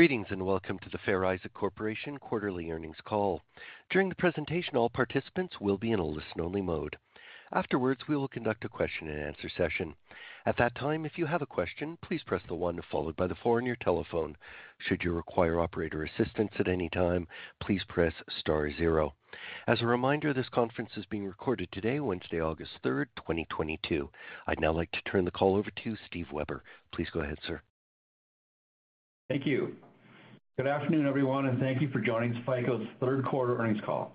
Greetings, and welcome to the Fair Isaac Corporation quarterly earnings call. During the presentation, all participants will be in a listen-only mode. Afterwards, we will conduct a question and answer session. At that time, if you have a question, please press the one followed by the four on your telephone. Should you require operator assistance at any time, please press star zero. As a reminder, this conference is being recorded today, Wednesday, August 3rd, 2022. I'd now like to turn the call over to Steve Weber. Please go ahead, sir. Thank you. Good afternoon, everyone, and thank you for joining FICO's third quarter earnings call.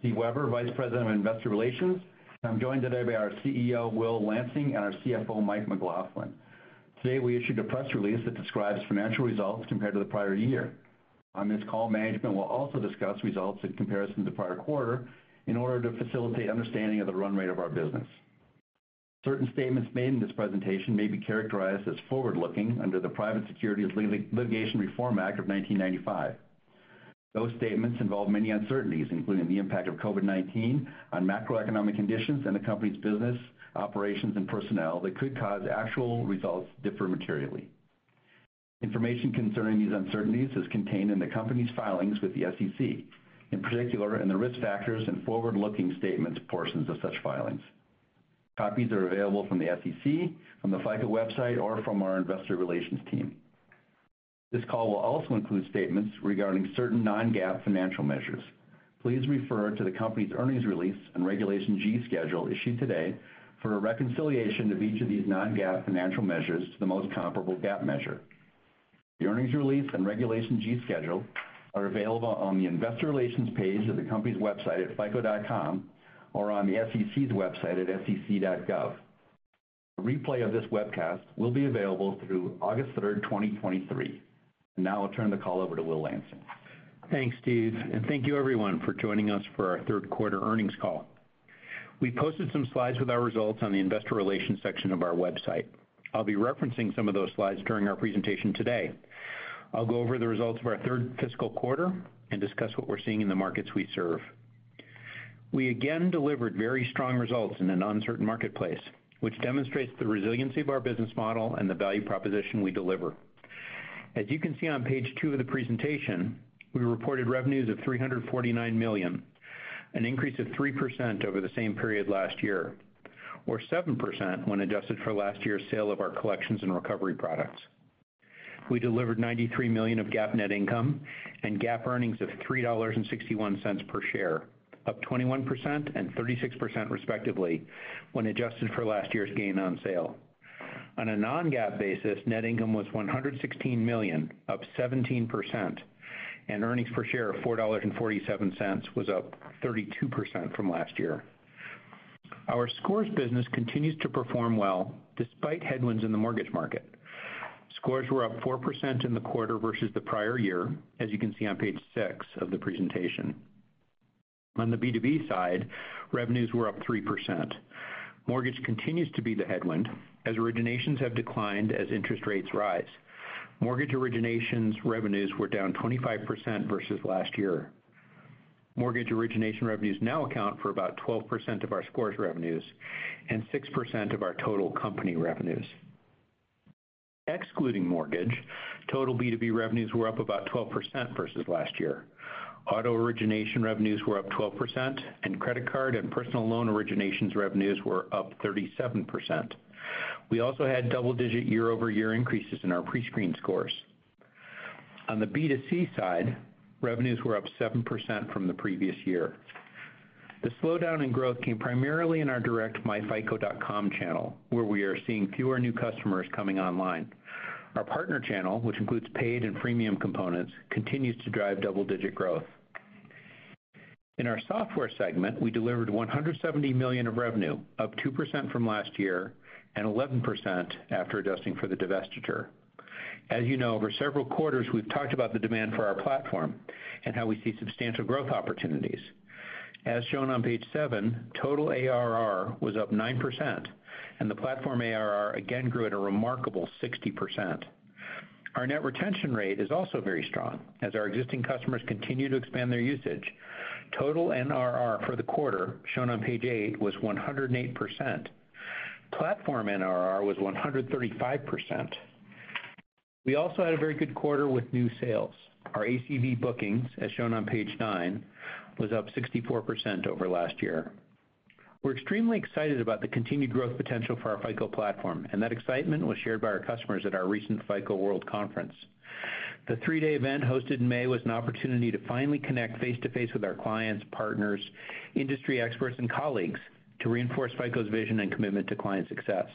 Steve Weber, Vice President of investor relations, and I'm joined today by our CEO, Will Lansing, and our CFO, Mike McLaughlin. Today, we issued a press release that describes financial results compared to the prior year. On this call, management will also discuss results in comparison to the prior quarter in order to facilitate understanding of the run rate of our business. Certain statements made in this presentation may be characterized as forward-looking under the Private Securities Litigation Reform Act of 1995. Those statements involve many uncertainties, including the impact of COVID-19 on macroeconomic conditions and the company's business, operations, and personnel that could cause actual results differ materially. Information concerning these uncertainties is contained in the company's filings with the SEC, in particular in the risk factors and forward-looking statements portions of such filings. Copies are available from the SEC, from the FICO website, or from our Investor Relations team. This call will also include statements regarding certain non-GAAP financial measures. Please refer to the company's earnings release and Regulation G schedule issued today for a reconciliation of each of these non-GAAP financial measures to the most comparable GAAP measure. The earnings release and Regulation G schedule are available on the investor relations page of the company's website at fico.com or on the SEC's website at sec.gov. A replay of this webcast will be available through August 3rd, 2023. Now I'll turn the call over to Will Lansing. Thanks, Steve, and thank you everyone for joining us for our third quarter earnings call. We posted some slides with our results on the Investor Relations section of our website. I'll be referencing some of those slides during our presentation today. I'll go over the results of our third fiscal quarter and discuss what we're seeing in the markets we serve. We again delivered very strong results in an uncertain marketplace, which demonstrates the resiliency of our business model and the value proposition we deliver. As you can see on page 2 of the presentation, we reported revenues of $349 million, an increase of 3% over the same period last year, or 7% when adjusted for last year's sale of our Collections and Recovery products. We delivered $93 million of GAAP net income and GAAP earnings of $3.61 per share, up 21% and 36% respectively when adjusted for last year's gain on sale. On a non-GAAP basis, net income was $116 million, up 17%, and earnings per share of $4.47 was up 32% from last year. Our scores business continues to perform well despite headwinds in the mortgage market. Scores were up 4% in the quarter versus the prior year, as you can see on page 6 of the presentation. On the B2B side, revenues were up 3%. Mortgage continues to be the headwind as originations have declined as interest rates rise. Mortgage originations revenues were down 25% versus last year. Mortgage origination revenues now account for about 12% of our scores revenues and 6% of our total company revenues. Excluding mortgage, total B2B revenues were up about 12% versus last year. Auto origination revenues were up 12%, and credit card and personal loan originations revenues were up 37%. We also had double-digit year-over-year increases in our pre-screen scores. On the B2C side, revenues were up 7% from the previous year. The slowdown in growth came primarily in our direct myFICO.com channel, where we are seeing fewer new customers coming online. Our partner channel, which includes paid and freemium components, continues to drive double-digit growth. In our software segment, we delivered $170 million of revenue, up 2% from last year and 11% after adjusting for the divestiture. As you know, over several quarters, we've talked about the demand for our platform and how we see substantial growth opportunities. As shown on page 7, total ARR was up 9%, and the platform ARR again grew at a remarkable 60%. Our net retention rate is also very strong as our existing customers continue to expand their usage. Total NRR for the quarter, shown on page 8, was 108%. Platform NRR was 135%. We also had a very good quarter with new sales. Our ACV bookings, as shown on page 9, was up 64% over last year. We're extremely excited about the continued growth potential for our FICO Platform, and that excitement was shared by our customers at our recent FICO World Conference. The three-day event hosted in May was an opportunity to finally connect face-to-face with our clients, partners, industry experts, and colleagues to reinforce FICO's vision and commitment to client success.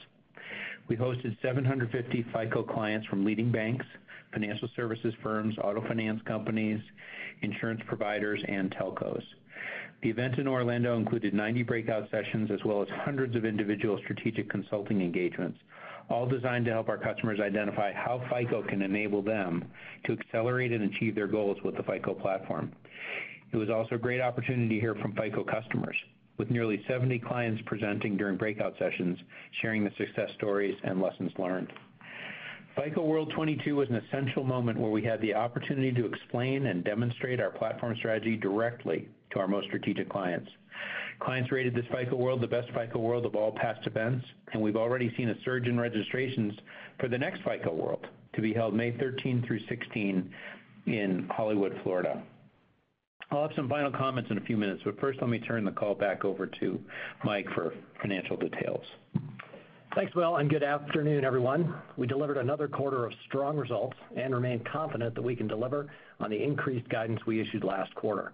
We hosted 750 FICO clients from leading banks, financial services firms, auto finance companies, insurance providers, and telcos. The event in Orlando included 90 breakout sessions as well as hundreds of individual strategic consulting engagements, all designed to help our customers identify how FICO can enable them to accelerate and achieve their goals with the FICO Platform. It was also a great opportunity to hear from FICO customers. With nearly 70 clients presenting during breakout sessions, sharing the success stories and lessons learned. FICO World 2022 was an essential moment where we had the opportunity to explain and demonstrate our platform strategy directly to our most strategic clients. Clients rated this FICO World the best FICO World of all past events, and we've already seen a surge in registrations for the next FICO World to be held May 13 through 16 in Hollywood, Florida. I'll have some final comments in a few minutes, but first, let me turn the call back over to Mike for financial details. Thanks, Will, and good afternoon, everyone. We delivered another quarter of strong results and remain confident that we can deliver on the increased guidance we issued last quarter.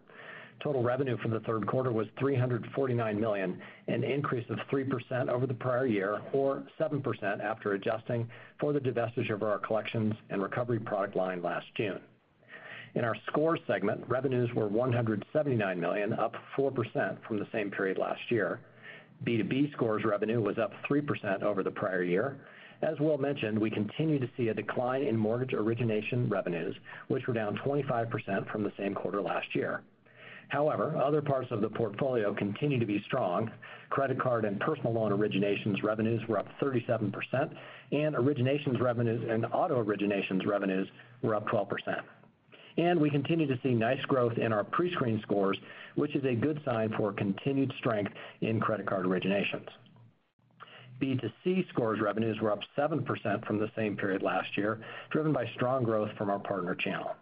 Total revenue for the third quarter was $349 million, an increase of 3% over the prior year, or 7% after adjusting for the divestiture of our Collections and Recovery product line last June. In our score segment, revenues were $179 million, up 4% from the same period last year. B2B scores revenue was up 3% over the prior year. As Will mentioned, we continue to see a decline in mortgage origination revenues, which were down 25% from the same quarter last year. However, other parts of the portfolio continue to be strong. Credit card and personal loan originations revenues were up 37%, and originations revenues and auto originations revenues were up 12%. We continue to see nice growth in our pre-screen scores, which is a good sign for continued strength in credit card originations. B2C scores revenues were up 7% from the same period last year, driven by strong growth from our partner channel.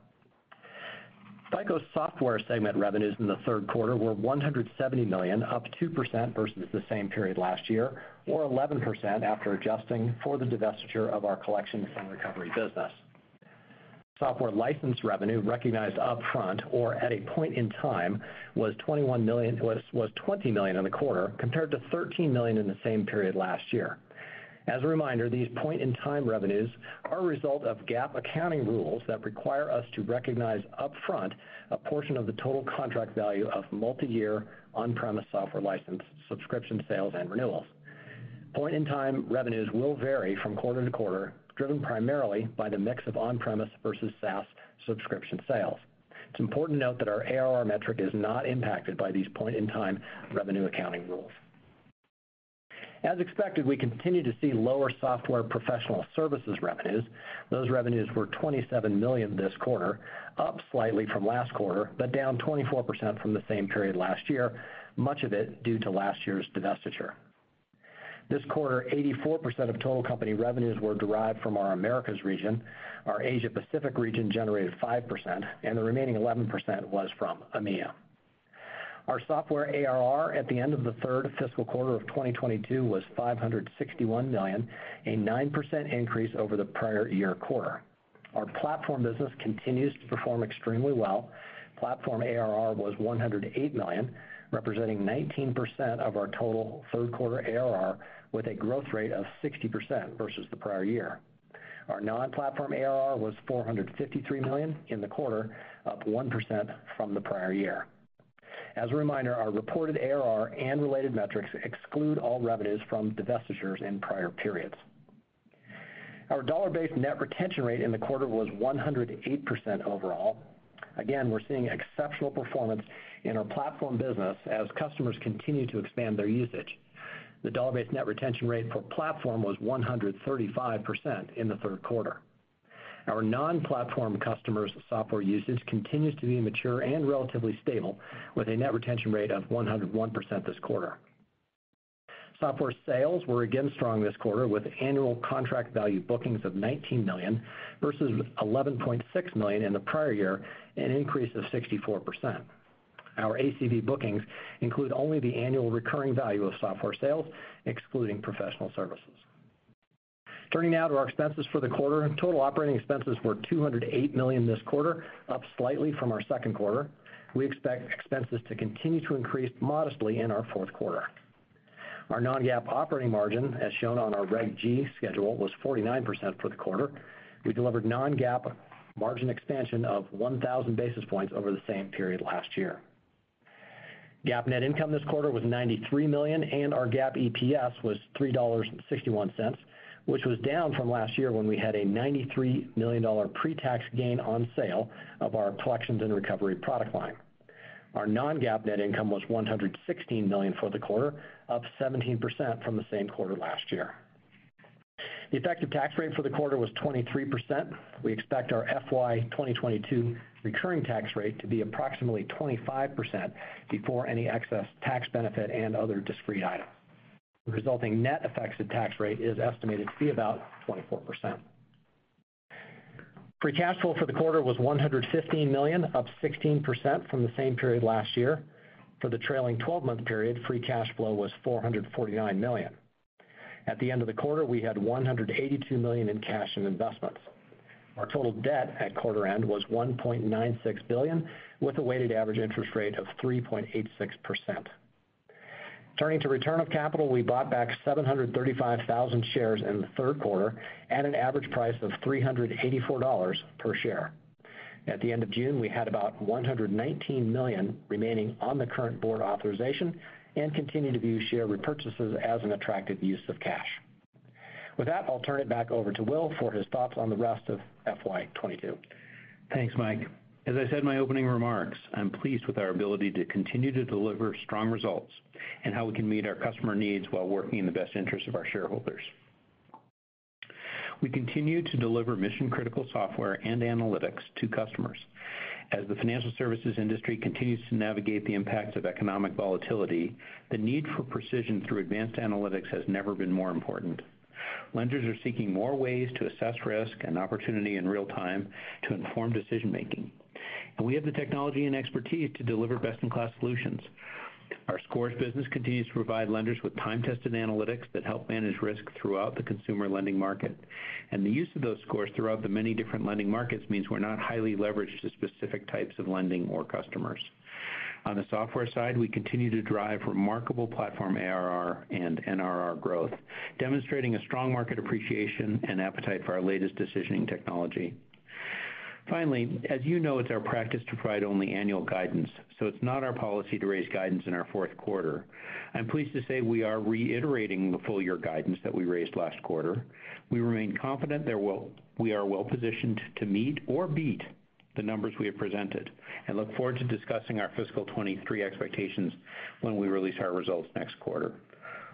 FICO Software segment revenues in the third quarter were $170 million, up 2% versus the same period last year, or 11% after adjusting for the divestiture of our Collections and Recovery business. Software license revenue recognized upfront or at a point in time was $20 million in the quarter, compared to $13 million in the same period last year. As a reminder, these point-in-time revenues are a result of GAAP accounting rules that require us to recognize upfront a portion of the total contract value of multi-year on-premise software license, subscription sales, and renewals. Point-in-time revenues will vary from quarter to quarter, driven primarily by the mix of on-premise versus SaaS subscription sales. It's important to note that our ARR metric is not impacted by these point-in-time revenue accounting rules. As expected, we continue to see lower software Professional Services revenues. Those revenues were $27 million this quarter, up slightly from last quarter, but down 24% from the same period last year, much of it due to last year's divestiture. This quarter, 84% of total company revenues were derived from our Americas region, our Asia Pacific region generated 5%, and the remaining 11% was from EMEA. Our software ARR at the end of the third fiscal quarter of 2022 was $561 million, a 9% increase over the prior year quarter. Our platform business continues to perform extremely well. Platform ARR was $108 million, representing 19% of our total third quarter ARR, with a growth rate of 60% versus the prior year. Our non-platform ARR was $453 million in the quarter, up 1% from the prior year. As a reminder, our reported ARR and related metrics exclude all revenues from divestitures in prior periods. Our dollar-based net retention rate in the quarter was 108% overall. Again, we're seeing exceptional performance in our platform business as customers continue to expand their usage. The dollar-based net retention rate for platform was 135% in the third quarter. Our non-platform customers software usage continues to be mature and relatively stable, with a net retention rate of 101% this quarter. Software sales were again strong this quarter with annual contract value bookings of $19 million versus $11.6 million in the prior year, an increase of 64%. Our ACV bookings include only the annual recurring value of software sales, excluding Professional Services. Turning now to our expenses for the quarter. Total operating expenses were $208 million this quarter, up slightly from our second quarter. We expect expenses to continue to increase modestly in our fourth quarter. Our non-GAAP operating margin, as shown on our Reg G schedule, was 49% for the quarter. We delivered non-GAAP margin expansion of 1,000 basis points over the same period last year. GAAP net income this quarter was $93 million, and our GAAP EPS was $3.61, which was down from last year when we had a $93 million pre-tax gain on sale of our Collections and Recovery product line. Our non-GAAP net income was $116 million for the quarter, up 17% from the same quarter last year. The effective tax rate for the quarter was 23%. We expect our FY 2022 recurring tax rate to be approximately 25% before any excess tax benefit and other discrete items. The resulting net effective tax rate is estimated to be about 24%. Free cash flow for the quarter was $115 million, up 16% from the same period last year. For the trailing 12-month period, free cash flow was $449 million. At the end of the quarter, we had $182 million in cash and investments. Our total debt at quarter end was $1.96 billion, with a weighted average interest rate of 3.86%. Turning to return of capital, we bought back 735,000 shares in the third quarter at an average price of $384 per share. At the end of June, we had about $119 million remaining on the current board authorization and continue to view share repurchases as an attractive use of cash. With that, I'll turn it back over to Will for his thoughts on the rest of FY 2022. Thanks, Mike. As I said in my opening remarks, I'm pleased with our ability to continue to deliver strong results and how we can meet our customer needs while working in the best interest of our shareholders. We continue to deliver mission-critical software and analytics to customers. As the financial services industry continues to navigate the impacts of economic volatility, the need for precision through advanced analytics has never been more important. Lenders are seeking more ways to assess risk and opportunity in real time to inform decision-making, and we have the technology and expertise to deliver best-in-class solutions. Our scores business continues to provide lenders with time-tested analytics that help manage risk throughout the consumer lending market. The use of those scores throughout the many different lending markets means we're not highly leveraged to specific types of lending or customers. On the software side, we continue to drive remarkable platform ARR and NRR growth, demonstrating a strong market appreciation and appetite for our latest decisioning technology. Finally, as you know, it's our practice to provide only annual guidance, so it's not our policy to raise guidance in our fourth quarter. I'm pleased to say we are reiterating the full year guidance that we raised last quarter. We remain confident we are well positioned to meet or beat the numbers we have presented and look forward to discussing our fiscal 2023 expectations when we release our results next quarter.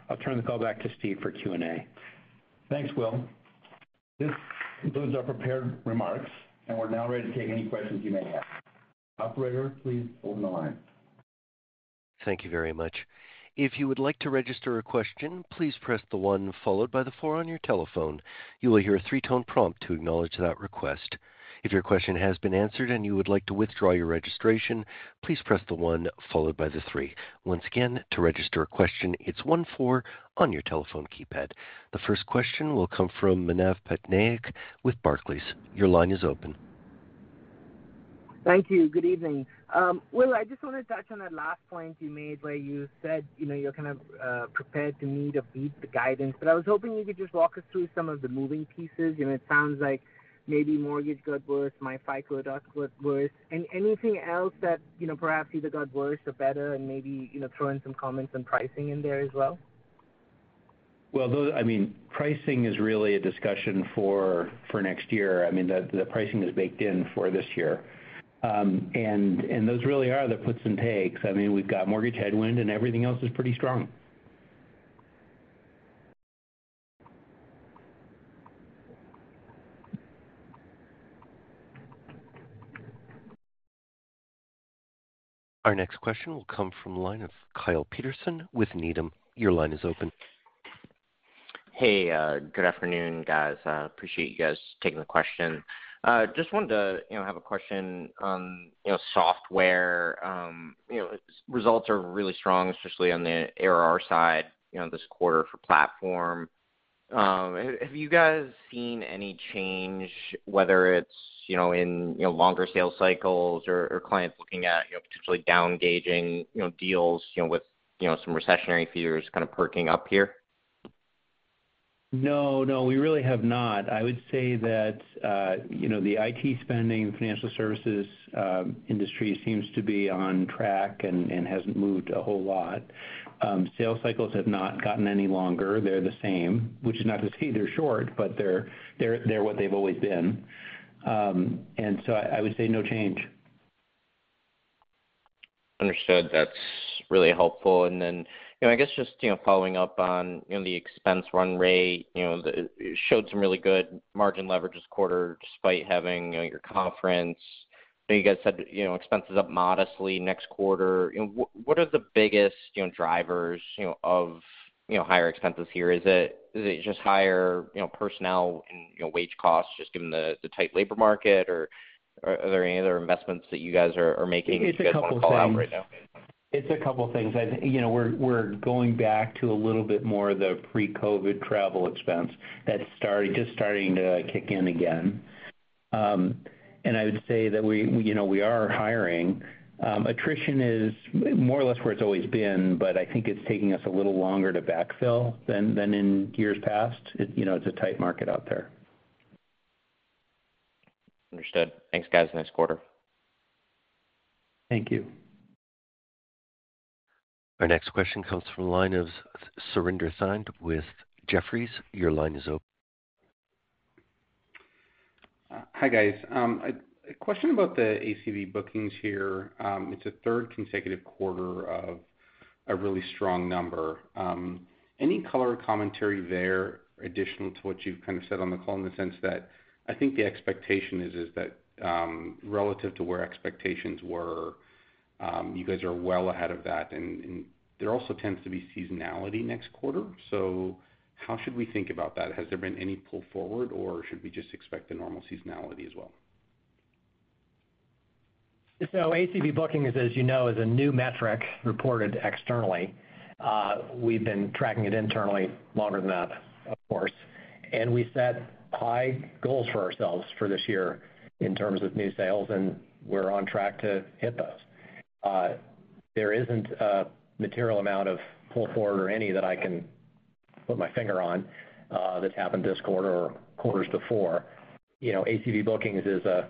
I'll turn the call back to Steve for Q&A. Thanks, Will. This concludes our prepared remarks, and we're now ready to take any questions you may have. Operator, please open the line. Thank you very much. If you would like to register a question, please press the one followed by the four on your telephone. You will hear a 3-tone prompt to acknowledge that request. If your question has been answered and you would like to withdraw your registration, please press the one followed by the three. Once again, to register a question, it's one-four on your telephone keypad. The first question will come from Manav Patnaik with Barclays. Your line is open. Thank you. Good evening. Will, I just want to touch on that last point you made where you said, you know, you're kind of prepared to meet or beat the guidance, but I was hoping you could just walk us through some of the moving pieces. You know, it sounds like maybe mortgage got worse, myFICO.com got worse. Anything else that, you know, perhaps either got worse or better and maybe, you know, throw in some comments on pricing in there as well. Well, I mean, pricing is really a discussion for next year. I mean, the pricing is baked in for this year. Those really are the puts and takes. I mean, we've got mortgage headwind, and everything else is pretty strong. Our next question will come from the line of Kyle Peterson with Needham. Your line is open. Hey, good afternoon, guys. Appreciate you guys taking the question. Just wanted to, you know, have a question on, you know, software. You know, results are really strong, especially on the ARR side, you know, this quarter for platform. Have you guys seen any change, whether it's, you know, in, you know, longer sales cycles or clients looking at, you know, potentially down gauging, you know, deals, you know, with, you know, some recessionary fears kind of perking up here? No, no, we really have not. I would say that, you know, the IT spending financial services industry seems to be on track and hasn't moved a whole lot. Sales cycles have not gotten any longer. They're the same, which is not to say they're short, but they're what they've always been. I would say no change. Understood. That's really helpful. Then, you know, I guess just, you know, following up on, you know, the expense run rate, you know, it showed some really good margin leverage this quarter despite having, you know, your conference. I know you guys said, you know, expenses up modestly next quarter. You know, what are the biggest, you know, drivers, you know, of, you know, higher expenses here? Is it just higher, you know, personnel and, you know, wage costs just given the tight labor market? Or are there any other investments that you guys are making? It's a couple things. You guys want to call out right now? It's a couple things. You know, we're going back to a little bit more of the pre-COVID travel expense that's just starting to kick in again. I would say that we, you know, we are hiring. Attrition is more or less where it's always been, but I think it's taking us a little longer to backfill than in years past. You know, it's a tight market out there. Understood. Thanks, guys. Nice quarter. Thank you. Our next question comes from line of Surinder Thind with Jefferies. Your line is open. Hi, guys. A question about the ACV bookings here. It's a third consecutive quarter of a really strong number. Any color or commentary there additional to what you've kind of said on the call in the sense that I think the expectation is that, relative to where expectations were, you guys are well ahead of that. There also tends to be seasonality next quarter. How should we think about that? Has there been any pull forward, or should we just expect the normal seasonality as well? ACV bookings, as you know, is a new metric reported externally. We've been tracking it internally longer than that, of course. We set high goals for ourselves for this year in terms of new sales, and we're on track to hit those. There isn't a material amount of pull forward or any that I can put my finger on, that's happened this quarter or quarters before. You know, ACV bookings is a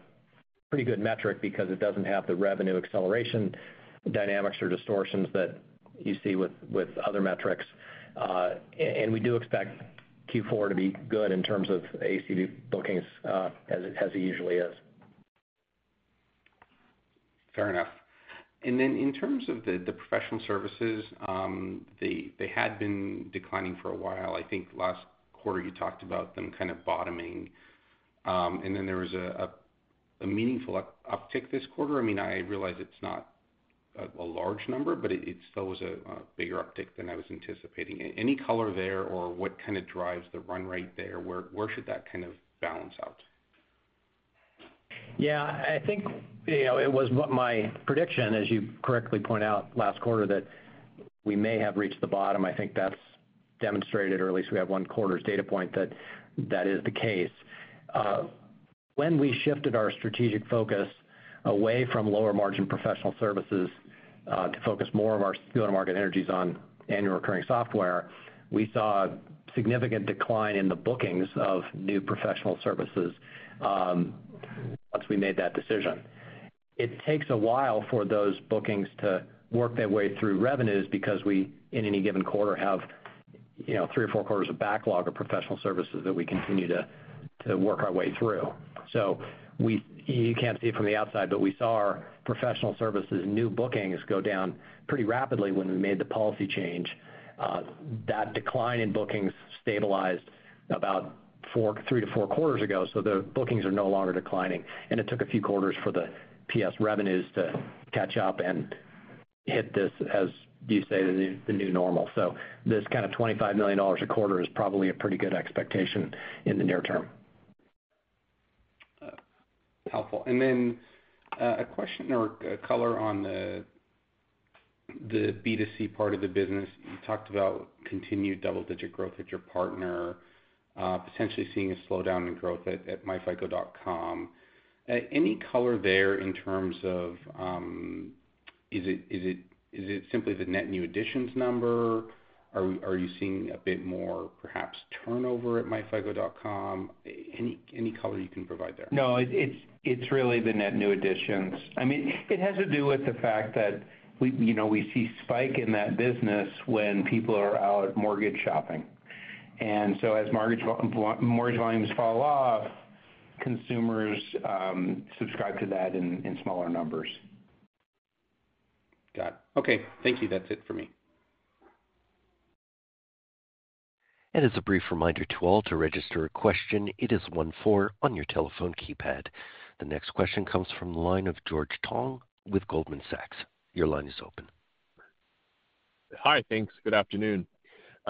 pretty good metric because it doesn't have the revenue acceleration dynamics or distortions that you see with other metrics. We do expect Q4 to be good in terms of ACV bookings, as it usually is. Fair enough. In terms of the Professional Services, they had been declining for a while. I think last quarter you talked about them kind of bottoming, and then there was a meaningful uptick this quarter. I mean, I realize it's not a large number, but it still was a bigger uptick than I was anticipating. Any color there or what kind of drives the run rate there? Where should that kind of balance out? Yeah, I think, you know, it was what my prediction, as you correctly point out last quarter, that we may have reached the bottom. I think that's demonstrated, or at least we have one quarter's data point that that is the case. When we shifted our strategic focus away from lower margin Professional Services to focus more of our go-to-market energies on Annual Recurring Software, we saw significant decline in the bookings of new Professional Services once we made that decision. It takes a while for those bookings to work their way through revenues because we, in any given quarter, have, you know, three or four quarters of backlog of Professional Services that we continue to work our way through. You can't see it from the outside, but we saw our Professional Services new bookings go down pretty rapidly when we made the policy change. That decline in bookings stabilized about 3-4 quarters ago, so the bookings are no longer declining, and it took a few quarters for the PS revenues to catch up and hit this, as you say, the new normal. This kind of $25 million a quarter is probably a pretty good expectation in the near term. Helpful. A question or color on the B2C part of the business. You talked about continued double-digit growth at your partner, potentially seeing a slowdown in growth at myFICO.com. Any color there in terms of, is it simply the net new additions number? Are you seeing a bit more perhaps turnover at myFICO.com? Any color you can provide there? No, it's really the net new additions. I mean, it has to do with the fact that we, you know, we see spike in that business when people are out mortgage shopping. And so as mortgage volumes fall off, consumers subscribe to that in smaller numbers. Got it. Okay. Thank you. That's it for me. As a brief reminder to all, to register a question, it is one four on your telephone keypad. The next question comes from the line of George Tong with Goldman Sachs. Your line is open. Hi. Thanks. Good afternoon.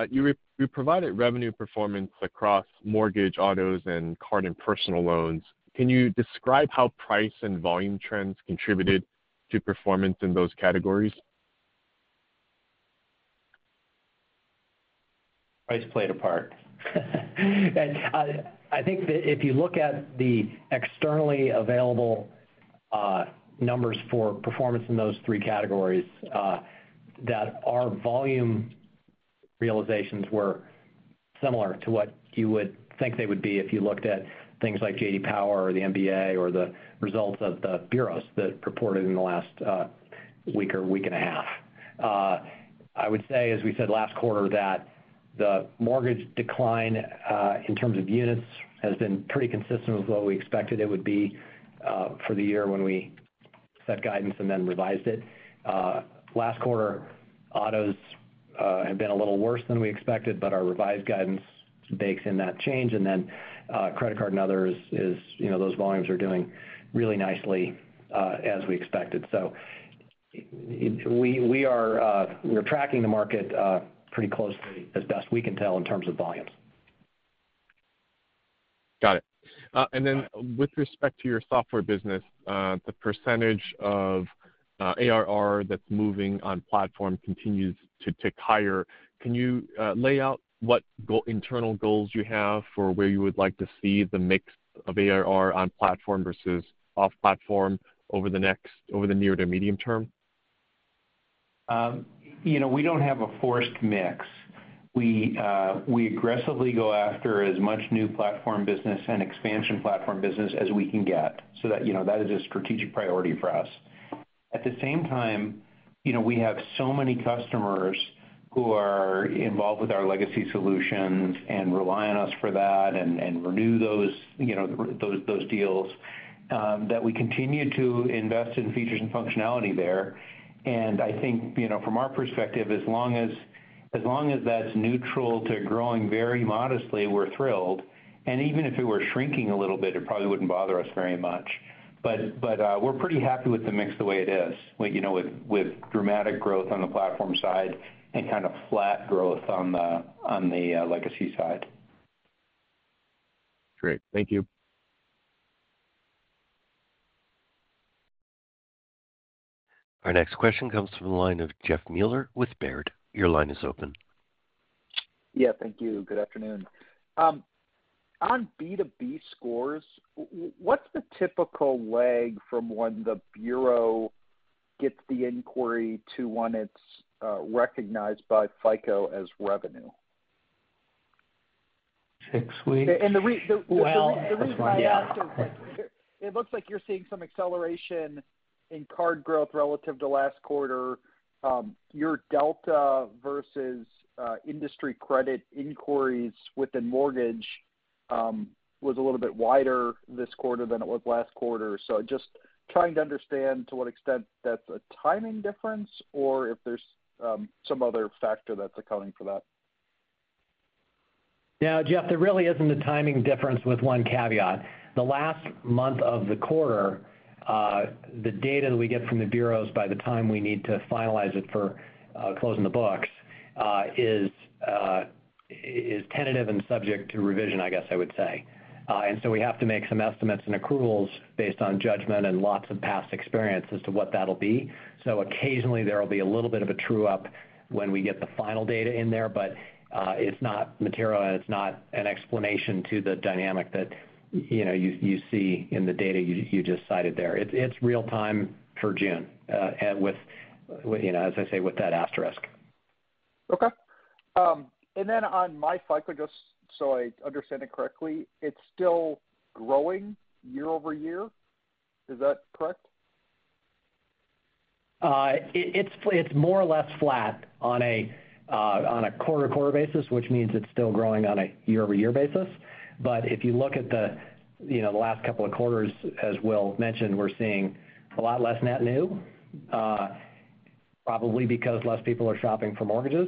You provided revenue performance across mortgage, autos, cards and personal loans. Can you describe how price and volume trends contributed to performance in those categories? Price played a part. I think that if you look at the externally available numbers for performance in those three categories, that our volume realizations were similar to what you would think they would be if you looked at things like JD Power or the MBA or the results of the bureaus that reported in the last week or week and a half. I would say, as we said last quarter, that the mortgage decline in terms of units has been pretty consistent with what we expected it would be for the year when we set guidance and then revised it. Last quarter, autos have been a little worse than we expected, but our revised guidance bakes in that change. Credit card and others is, you know, those volumes are doing really nicely, as we expected. We are tracking the market pretty closely as best we can tell in terms of volumes. Got it. With respect to your software business, the percentage of ARR that's moving on platform continues to tick higher. Can you lay out what your internal goals you have for where you would like to see the mix of ARR on platform versus off platform over the near to medium term? You know, we don't have a forced mix. We aggressively go after as much new platform business and expansion platform business as we can get so that, you know, that is a strategic priority for us. At the same time, you know, we have so many customers who are involved with our legacy solutions and rely on us for that and renew those, you know, those deals that we continue to invest in features and functionality there. I think, you know, from our perspective, as long as that's neutral to growing very modestly, we're thrilled. Even if it were shrinking a little bit, it probably wouldn't bother us very much. We're pretty happy with the mix the way it is, you know, with dramatic growth on the platform side and kind of flat growth on the legacy side. Great. Thank you. Our next question comes from the line of Jeff Meuler with Baird. Your line is open. Yeah, thank you. Good afternoon. On B2B scores, what's the typical lag from when the bureau gets the inquiry to when it's recognized by FICO as revenue? Six weeks. And the reas-the, the reas- Well- The reason I ask is like. Yeah. It looks like you're seeing some acceleration in card growth relative to last quarter. Your delta versus industry credit inquiries within mortgage was a little bit wider this quarter than it was last quarter. Just trying to understand to what extent that's a timing difference or if there's some other factor that's accounting for that. Yeah, Jeff, there really isn't a timing difference with one caveat. The last month of the quarter, the data that we get from the bureaus by the time we need to finalize it for closing the books, is tentative and subject to revision, I guess I would say. We have to make some estimates and accruals based on judgment and lots of past experience as to what that'll be. Occasionally there will be a little bit of a true up when we get the final data in there, but it's not material and it's not an explanation to the dynamic that, you know, you see in the data you just cited there. It's real time for June, with, you know, as I say, with that asterisk. Okay. On myFICO, just so I understand it correctly, it's still growing year-over-year. Is that correct? It's more or less flat on a quarter-to-quarter basis, which means it's still growing on a year-over-year basis. If you look at the, you know, the last couple of quarters, as Will mentioned, we're seeing a lot less net new, probably because less people are shopping for mortgages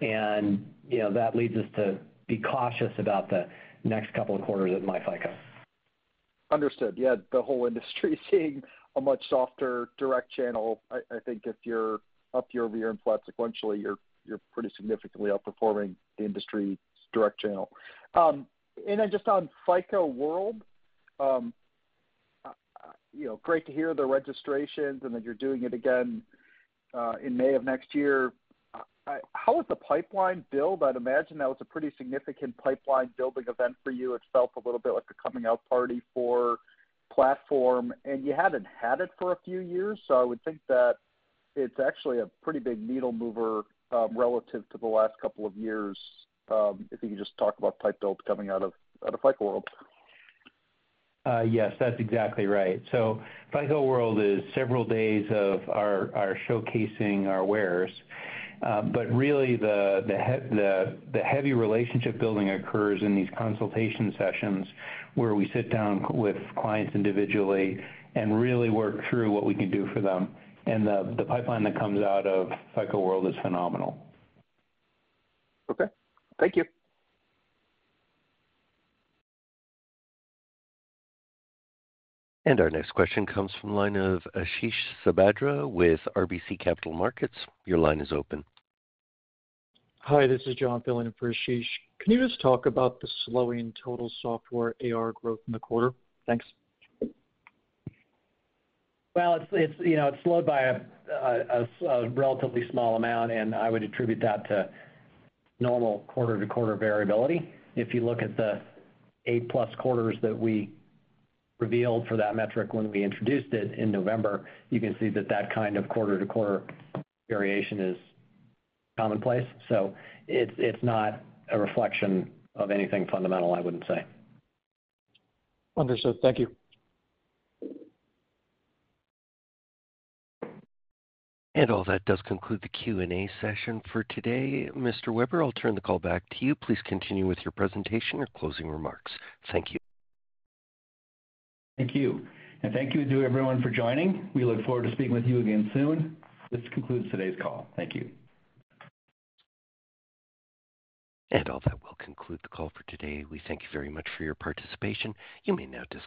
and, you know, that leads us to be cautious about the next couple of quarters of myFICO. Understood. Yeah, the whole industry is seeing a much softer direct channel. I think if you're up year-over-year and flat sequentially, you're pretty significantly outperforming the industry's direct channel. Just on FICO World, you know, great to hear the registrations and that you're doing it again in May of next year. How is the pipeline build? I'd imagine that was a pretty significant pipeline-building event for you. It felt a little bit like a coming out party for platform, and you haven't had it for a few years, so I would think that it's actually a pretty big needle mover relative to the last couple of years. If you could just talk about pipeline builds coming out of FICO World. Yes, that's exactly right. FICO World is several days of our showcasing our wares. But really the heavy relationship building occurs in these consultation sessions where we sit down with clients individually and really work through what we can do for them. The pipeline that comes out of FICO World is phenomenal. Okay. Thank you. Our next question comes from line of Ashish Sabadra with RBC Capital Markets. Your line is open. Hi, this is John filling in for Ashish. Can you just talk about the slowing total software ARR growth in the quarter? Thanks. Well, it's, you know, it's slowed by a relatively small amount, and I would attribute that to normal quarter-to-quarter variability. If you look at the 8+ quarters that we revealed for that metric when we introduced it in November, you can see that kind of quarter-to-quarter variation is commonplace. It's not a reflection of anything fundamental, I wouldn't say. Understood. Thank you. All that does conclude the Q&A session for today. Mr. Weber, I'll turn the call back to you. Please continue with your presentation or closing remarks. Thank you. Thank you. Thank you to everyone for joining. We look forward to speaking with you again soon. This concludes today's call. Thank you. All that will conclude the call for today. We thank you very much for your participation. You may now disconnect.